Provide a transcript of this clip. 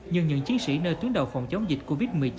nhưng những chiến sĩ nơi tuyến đầu phòng chống dịch covid một mươi chín